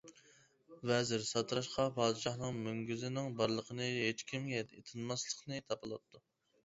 ۋەزىر ساتىراشقا پادىشاھنىڭ مۈڭگۈزىنىڭ بارلىقىنى ھېچكىمگە تىنماسلىقنى تاپىلاپتۇ.